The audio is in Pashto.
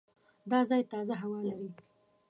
دا ځای تازه هوا لري.